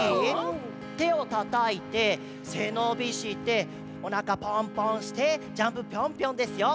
手をたたいてせのびしておなかポンポンしてジャンプピョンピョンですよ。